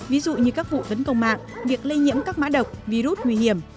ví dụ như các vụ tấn công mạng việc lây nhiễm các mã độc virus nguy hiểm